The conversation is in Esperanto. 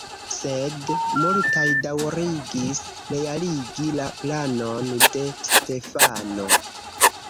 Sed multaj daŭrigis realigi la planon de Stefano.